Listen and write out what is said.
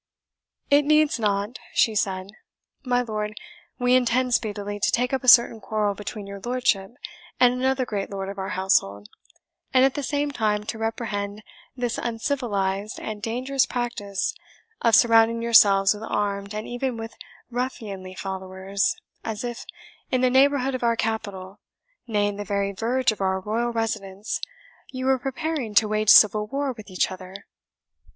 "It needs not," she said. "My lord, we intend speedily to take up a certain quarrel between your lordship and another great lord of our household, and at the same time to reprehend this uncivilized and dangerous practice of surrounding yourselves with armed, and even with ruffianly followers, as if, in the neighbourhood of our capital, nay in the very verge of our royal residence, you were preparing to wage civil war with each other.